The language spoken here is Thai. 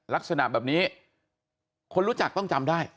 ลักษณะแบบนี้คนรู้จักต้องจำได้